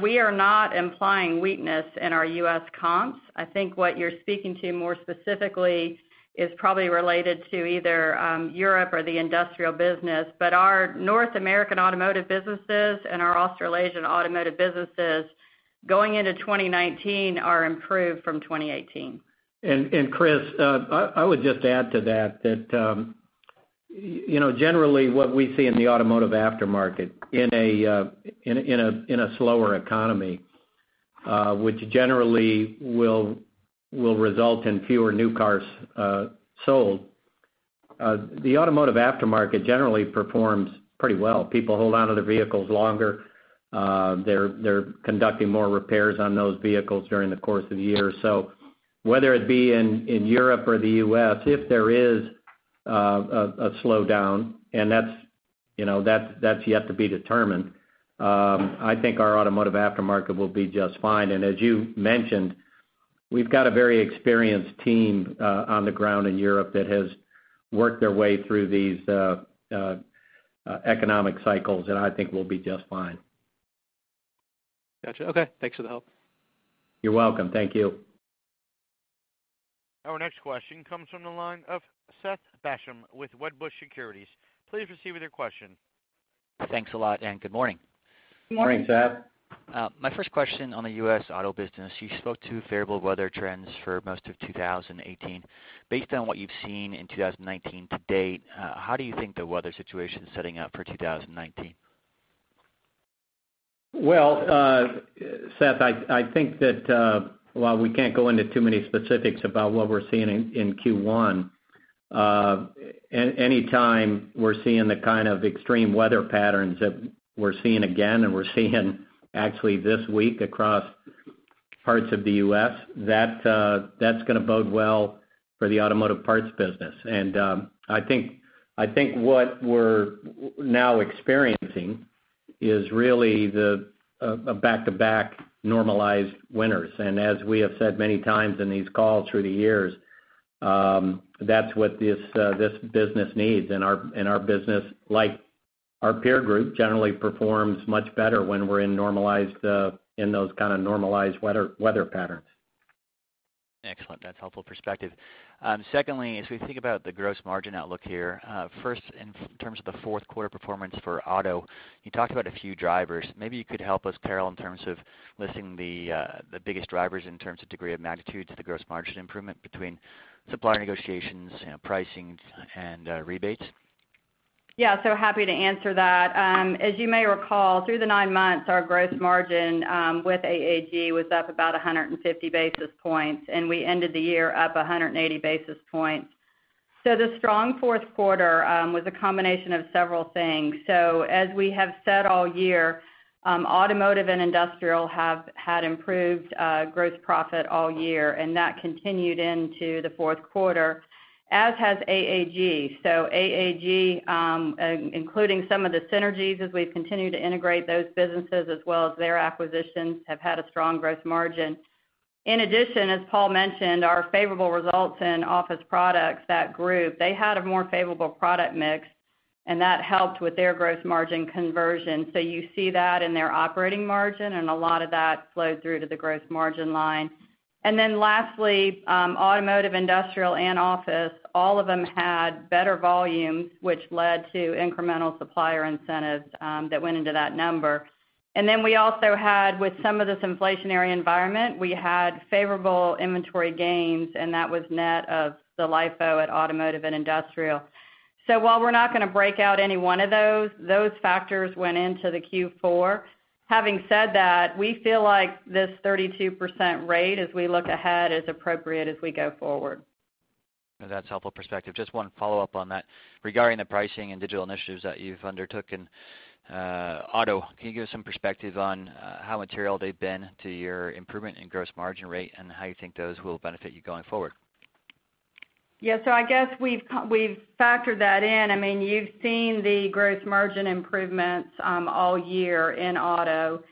We are not implying weakness in our U.S. comps. I think what you're speaking to more specifically is probably related to either Europe or the industrial business. Our North American automotive businesses and our Australasian automotive businesses going into 2019 are improved from 2018. Chris, I would just add to that generally what we see in the automotive aftermarket in a slower economy, which generally will result in fewer new cars sold, the automotive aftermarket generally performs pretty well. People hold on to their vehicles longer. They're conducting more repairs on those vehicles during the course of the year. Whether it be in Europe or the U.S., if there is a slowdown, and that's yet to be determined, I think our automotive aftermarket will be just fine. As you mentioned, we've got a very experienced team on the ground in Europe that has worked their way through these economic cycles, and I think we'll be just fine. Got you. Okay. Thanks for the help. You're welcome. Thank you. Our next question comes from the line of Seth Basham with Wedbush Securities. Please proceed with your question. Thanks a lot, and good morning. Good morning. Good morning, Seth. My first question on the U.S. auto business, you spoke to favorable weather trends for most of 2018. Based on what you've seen in 2019 to date, how do you think the weather situation is setting up for 2019? Seth, I think that while we can't go into too many specifics about what we're seeing in Q1, any time we're seeing the kind of extreme weather patterns that we're seeing again and we're seeing actually this week across parts of the U.S., that's going to bode well for the automotive parts business. I think what we're now experiencing is really a back-to-back normalized winters. As we have said many times in these calls through the years, that's what this business needs. Our business, like our peer group, generally performs much better when we're in those kind of normalized weather patterns. Excellent. That's helpful perspective. Secondly, as we think about the gross margin outlook here, first in terms of the fourth quarter performance for auto, you talked about a few drivers. Maybe you could help us, Carol, in terms of listing the biggest drivers in terms of degree of magnitude to the gross margin improvement between supplier negotiations, pricing, and rebates. Yeah. Happy to answer that. As you may recall, through the nine months, our gross margin, with AAG, was up about 150 basis points, and we ended the year up 180 basis points. The strong fourth quarter was a combination of several things. As we have said all year, Automotive and Industrial have had improved gross profit all year, and that continued into the fourth quarter, as has AAG. AAG, including some of the synergies as we've continued to integrate those businesses as well as their acquisitions, have had a strong gross margin. In addition, as Paul mentioned, our favorable results in S.P. Richards, that group, they had a more favorable product mix, and that helped with their gross margin conversion. You see that in their operating margin, and a lot of that flowed through to the gross margin line. Lastly, Automotive, Industrial, and Office, all of them had better volumes, which led to incremental supplier incentives that went into that number. We also had, with some of this inflationary environment, we had favorable inventory gains, and that was net of the LIFO at Automotive and Industrial. While we're not going to break out any one of those factors went into the Q4. Having said that, we feel like this 32% rate as we look ahead is appropriate as we go forward. That's helpful perspective. Just one follow-up on that. Regarding the pricing and digital initiatives that you've undertook in Auto, can you give some perspective on how material they've been to your improvement in gross margin rate and how you think those will benefit you going forward? Yeah. I guess we've factored that in. You've seen the gross margin improvements all year in Auto,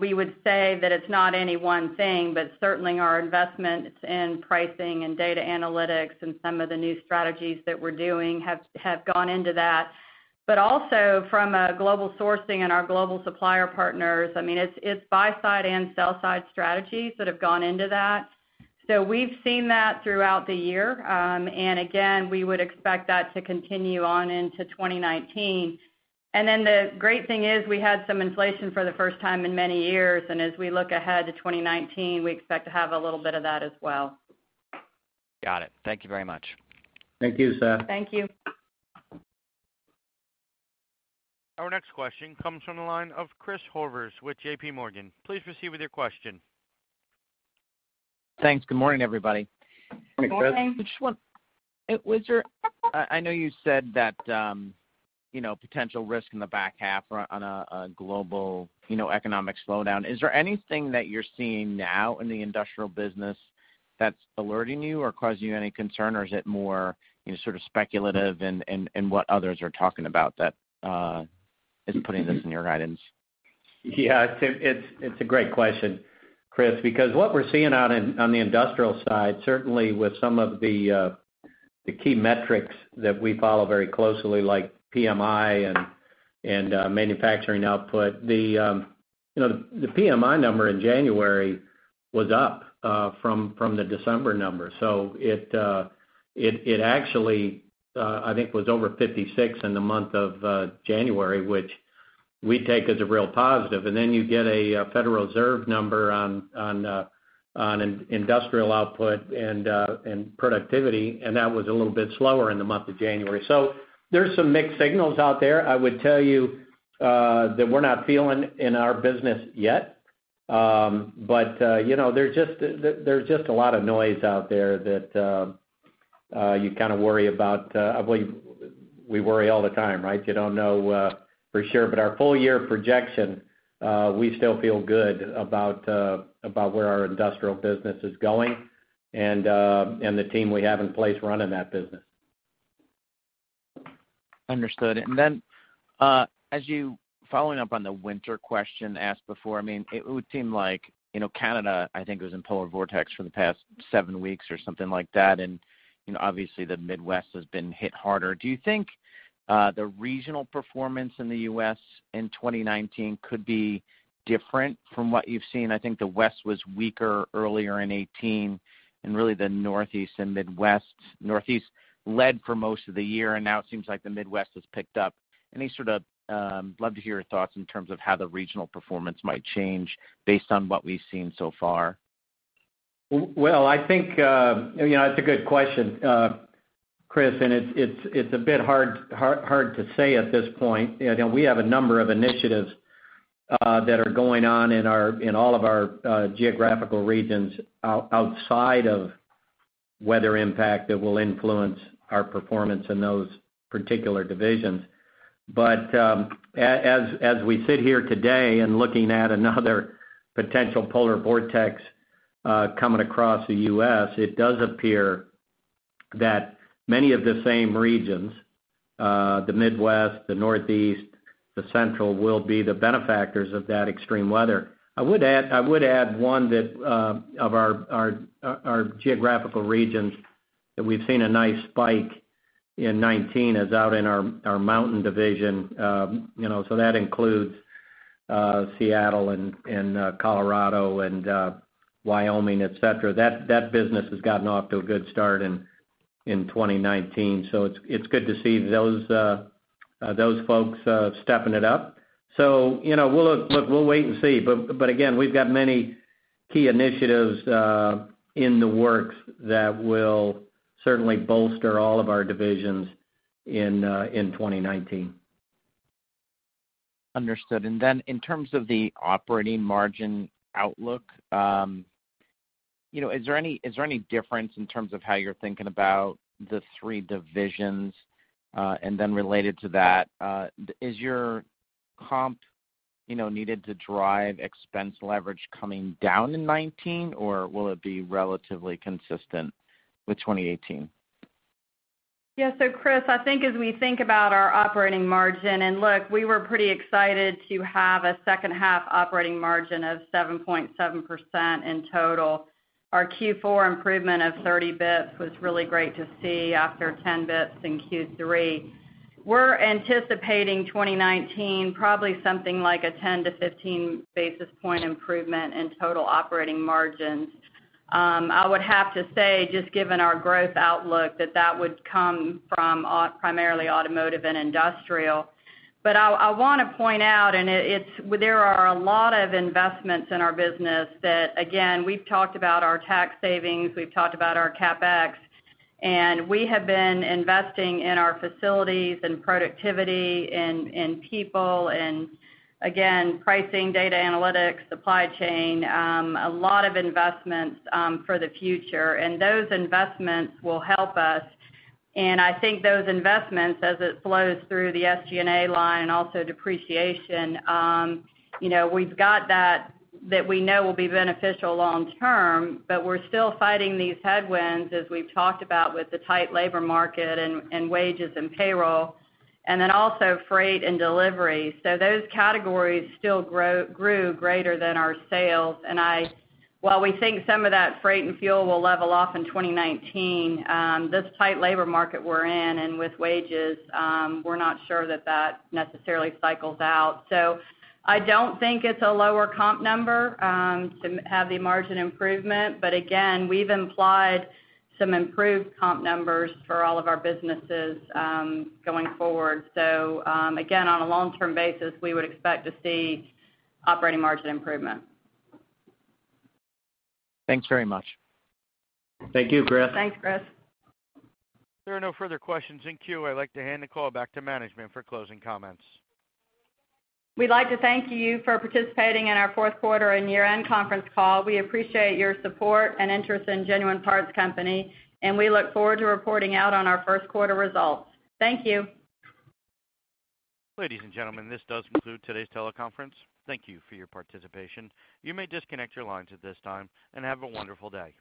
we would say that it's not any one thing, but certainly our investments in pricing and data analytics and some of the new strategies that we're doing have gone into that. Also from a global sourcing and our global supplier partners, it's buy-side and sell-side strategies that have gone into that. We've seen that throughout the year. Again, we would expect that to continue on into 2019. The great thing is we had some inflation for the first time in many years, as we look ahead to 2019, we expect to have a little bit of that as well. Got it. Thank you very much. Thank you, Seth. Thank you. Our next question comes from the line of Chris Horvers with J.P. Morgan. Please proceed with your question. Thanks. Good morning, everybody. Good morning. Good morning. I know you said that potential risk in the back half on a global economic slowdown. Is there anything that you're seeing now in the Industrial business that's alerting you or causing you any concern, or is it more sort of speculative in what others are talking about that is putting this in your guidance? Yeah, it's a great question, Chris, because what we're seeing out on the Industrial side, certainly with some of the key metrics that we follow very closely, like PMI and manufacturing output. The PMI number in January was up from the December number. It actually, I think, was over 56 in the month of January, which we take as a real positive. Then you get a Federal Reserve number on industrial output and productivity, and that was a little bit slower in the month of January. There's some mixed signals out there. I would tell you that we're not feeling it in our business yet. There's just a lot of noise out there that you kind of worry about. I believe we worry all the time, right? You don't know for sure, our full-year projection, we still feel good about where our industrial business is going and the team we have in place running that business. Understood. Following up on the winter question asked before, it would seem like Canada, I think, was in polar vortex for the past seven weeks or something like that, obviously, the Midwest has been hit harder. Do you think the regional performance in the U.S. in 2019 could be different from what you've seen? I think the West was weaker earlier in 2018, really the Northeast and Midwest. Northeast led for most of the year, now it seems like the Midwest has picked up. Love to hear your thoughts in terms of how the regional performance might change based on what we've seen so far. Well, I think it's a good question, Chris, it's a bit hard to say at this point. We have a number of initiatives that are going on in all of our geographical regions outside of weather impact that will influence our performance in those particular divisions. As we sit here today looking at another potential polar vortex coming across the U.S., it does appear that many of the same regions, the Midwest, the Northeast, the Central, will be the benefactors of that extreme weather. I would add one of our geographical regions that we've seen a nice spike in 2019 is out in our Mountain Division. That includes Seattle and Colorado and Wyoming, et cetera. That business has gotten off to a good start in 2019. It's good to see those folks stepping it up. We'll wait and see, again, we've got many key initiatives in the works that will certainly bolster all of our divisions in 2019. Understood. In terms of the operating margin outlook, is there any difference in terms of how you're thinking about the three divisions? Related to that, is your comp needed to drive expense leverage coming down in 2019, or will it be relatively consistent with 2018? Yeah. Chris, I think as we think about our operating margin, and look, we were pretty excited to have a second half operating margin of 7.7% in total. Our Q4 improvement of 30 basis points was really great to see after 10 basis points in Q3. We're anticipating 2019, probably something like a 10 to 15 basis point improvement in total operating margins. I would have to say, just given our growth outlook, that that would come from primarily automotive and industrial. I want to point out, there are a lot of investments in our business that, again, we've talked about our tax savings, we've talked about our CapEx, and we have been investing in our facilities and productivity, in people, and again, pricing, data analytics, supply chain. A lot of investments for the future, and those investments will help us. I think those investments, as it flows through the SG&A line and also depreciation, we've got that we know will be beneficial long term, we're still fighting these headwinds, as we've talked about, with the tight labor market and wages and payroll, then also freight and delivery. Those categories still grew greater than our sales. While we think some of that freight and fuel will level off in 2019, this tight labor market we're in and with wages, we're not sure that that necessarily cycles out. I don't think it's a lower comp number to have the margin improvement. Again, we've implied some improved comp numbers for all of our businesses going forward. Again, on a long-term basis, we would expect to see operating margin improvement. Thanks very much. Thank you, Chris. Thanks, Chris. There are no further questions in queue. I'd like to hand the call back to management for closing comments. We'd like to thank you for participating in our fourth quarter and year-end conference call. We appreciate your support and interest in Genuine Parts Company, and we look forward to reporting out on our first quarter results. Thank you. Ladies and gentlemen, this does conclude today's teleconference. Thank you for your participation. You may disconnect your lines at this time, and have a wonderful day.